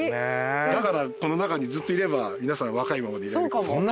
だからこの中にずっといれば皆さん若いままでいられるかも。